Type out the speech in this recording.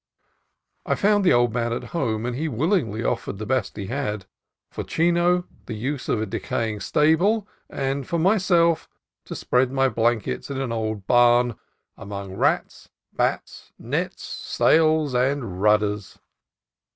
I found the old man at home, and he will ingly offered the best he had, — for Chino the use of a decaying stable, and for myself a place to spread my blankets in an old barn, among rats, bats, nets, sails, and rudders.